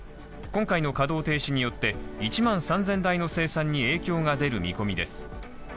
今回の稼働停止によって、１万３０００台の生産に影響が出る見込みです。